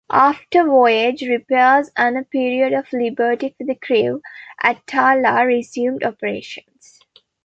After voyage, repairs, and a period of liberty for the crew, "Attala" resumed operations.